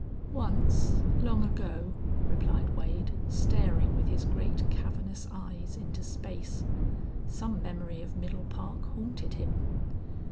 "Once long ago," replied Wade, staring with his great, cavernous eyes into space. Some memory of Middle Park haunted him.